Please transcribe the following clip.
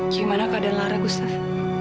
gimana keadaan lara gustaf